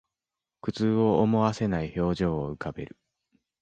苦痛を思わせない表情を浮かべる